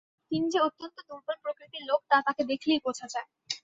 তিনি যে অত্যন্ত দুর্বল প্রকৃতির লোক তা তাকে দেখলেই বোঝা যায়।